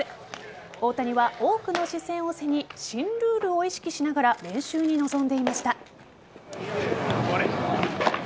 大谷は多くの視線を背に新ルールを意識しながら練習に臨んでいました。